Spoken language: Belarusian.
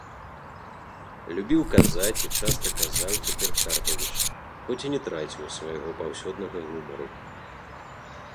— любіў казаць і часта казаў цяпер Карпавіч, хоць і не траціў свайго паўсёднага гумару.